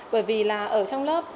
bởi vì là ở trong lớp